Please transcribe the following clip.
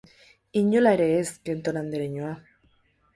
Inolaz ere ez, Kenton andereñoa.